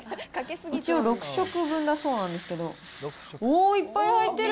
一応６食分だそうなんですけれども。